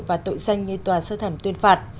và tội danh như tòa sơ thẩm tuyên phạt